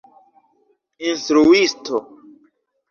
instruisto